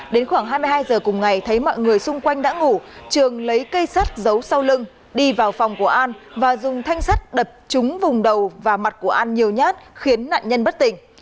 đến khoảng hai mươi hai giờ cùng ngày thấy mọi người xung quanh đã ngủ trường lấy cây sắt giấu sau lưng đi vào phòng của an và dùng thanh sắt đập chúng vùng đầu và mặt của an nhiều nhát khiến nạn nhân bất tỉnh